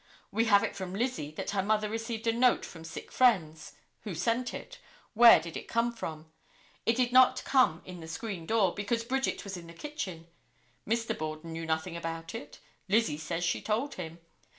We have it from Lizzie that her mother received a note from sick friends. Who sent it? Where did it come from? It did not come in the screen door, because Bridget was in the kitchen. Mr. Borden knew nothing about it. Lizzie says she told him.